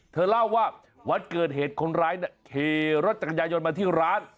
เธอเล่าว่าวันเกิดเหตุคนร้ายขี่รถจักรยายนมาที่ร้าน